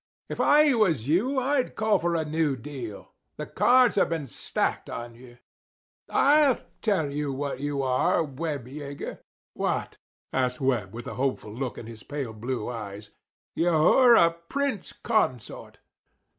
If I was you, I'd call for a new deal. The cards have been stacked on you—I'll tell you what you are, Webb Yeager." "What?" asked Webb, with a hopeful look in his pale blue eyes. "You're a prince consort."